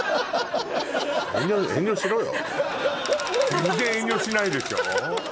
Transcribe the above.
全然遠慮しないでしょ？